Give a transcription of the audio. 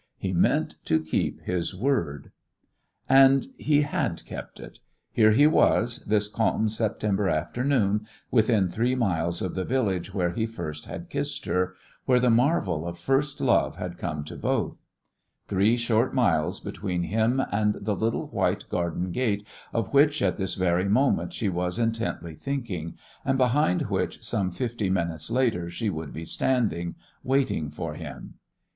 He meant to keep his word. And he had kept it. Here he was, this calm September afternoon, within three miles of the village where he first had kissed her, where the marvel of first love had come to both; three short miles between him and the little white garden gate of which at this very moment she was intently thinking, and behind which some fifty minutes later she would be standing, waiting for him....